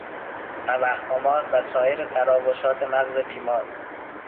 توهمات و سایر تراوشات مغز بیمار